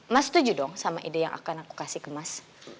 mas setuju dong sama ide yang akan aku kasih kemas